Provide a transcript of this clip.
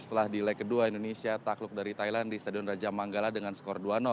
setelah di leg kedua indonesia takluk dari thailand di stadion raja manggala dengan skor dua